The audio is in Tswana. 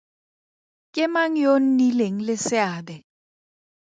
Ke mang yo o nnileng le seabe?